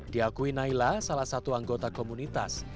diakui naila salah satu anggota komunitas